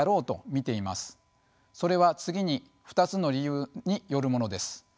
それは次に２つの理由によるものです。